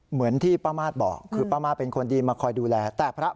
เหมือนที่ป้ามาสบอกคือป้ามาสเป็นคนดีมาคอยดูแลแต่พระ